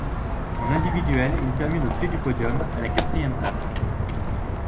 En individuel, il termine au pied du podium, à la quatrième place.